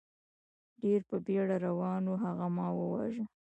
ډېر په بېړه روان و، هغه ما و واژه.